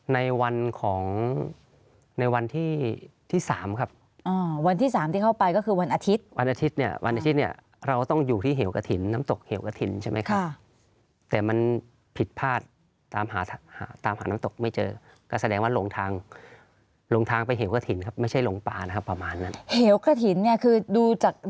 ในวันของในวันที่ที่สามครับอ่าวันที่สามที่เข้าไปก็คือวันอาทิตย์วันอาทิตย์เนี่ยวันอาทิตย์เนี่ยเราต้องอยู่ที่เหวกระถิ่นน้ำตกเหวกระถิ่นใช่ไหมครับแต่มันผิดพลาดตามหาหาตามหาน้ำตกไม่เจอก็แสดงว่าลงทางลงทางไปเหวกระถิ่นครับไม่ใช่หลงป่านะครับประมาณนั้นเหวกระถิ่นเนี่ยคือดูจาก